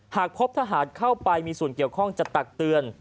หากพบทหารเข้าไปมีส่วนเกี่ยวข้องจะตักเตือน